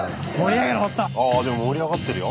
ああでも盛り上がってるよ。